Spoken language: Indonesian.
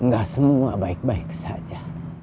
gak semua baik baik saja